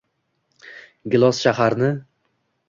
gilos shaharni